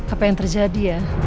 apa yang terjadi ya